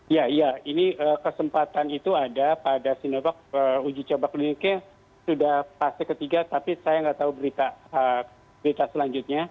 iya iya ini kesempatan itu ada pada sinovac uji coba kliniknya sudah fase ketiga tapi saya nggak tahu berita selanjutnya